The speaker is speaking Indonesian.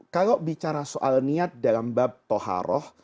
kalau bicara soal niat dalam bab toharoh